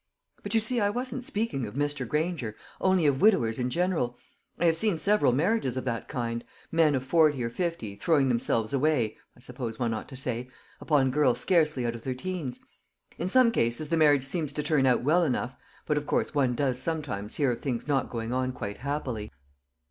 "But, you see, I wasn't speaking of Mr. Granger, only of widowers in general. I have seen several marriages of that kind men of forty or fifty throwing themselves away, I suppose one ought to say, upon girls scarcely out of their teens. In some cases the marriage seems to turn out well enough; but of course one does sometimes hear of things not going on quite happily."